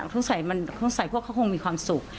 คงใส่เข้าโรงไลน์มีความสุข